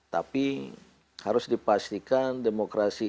tapi harus dipastikan demokrasi